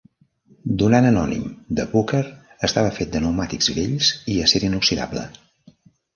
"Donant anònim", de Booker, estava fet de pneumàtics vells i acer inoxidable.